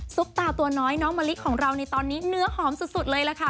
ตาตัวน้อยน้องมะลิของเราในตอนนี้เนื้อหอมสุดเลยล่ะค่ะ